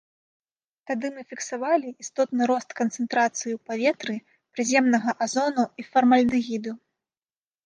Тады мы фіксавалі істотны рост канцэнтрацыі ў паветры прыземнага азону і фармальдэгіду.